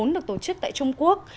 được tổ chức tại trung quốc